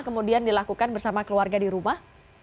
kemudian dilakukan bersama keluarga di rumah